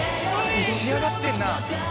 仕上がってんな。